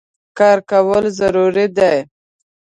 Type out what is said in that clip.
کار کول ضرور دي